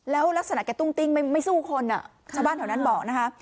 แล้วลักษณะแกตุ้งติ้งไม่สู้คนชาวบ้านแถวนั้นบอกนะคะ